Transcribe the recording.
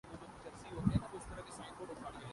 لیکن کیا کریں یہ سب باتیں ہی ہیں۔